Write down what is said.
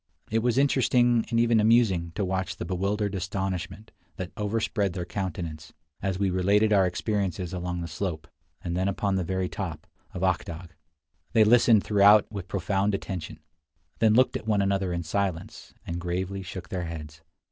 It was interesting and even amusing to watch the bewildered astonishment that overspread their countenances as we related our experiences along the slope, and then upon the very top, of Ak Dagh. They listened throughout with profound attention, then looked at one another in silence, and gravely shook their heads.